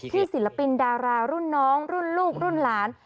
ศิลปินดารารุ่นน้องรุ่นลูกรุ่นหลาน